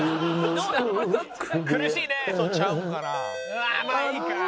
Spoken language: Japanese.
「うわまあいいか。